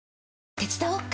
手伝おっか？